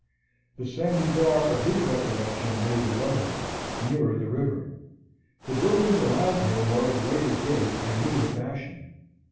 The Sandy Bar of his recollection lay below him, nearer the river; the buildings around him were of later date and newer fashion.